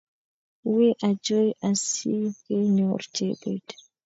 Wiiy ochei asigenyor Chebet